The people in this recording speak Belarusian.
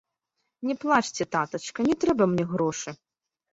Не плачце, татачка, не трэба мне грошы!